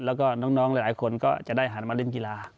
แล้วก็น้องหลายคนก็จะได้หันมาเล่นกีฬา